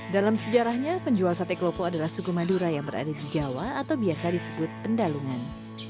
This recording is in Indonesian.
dalam sejarahnya penjual sate klopo adalah suku madura yang berada di jawa atau biasa disebut pendalungan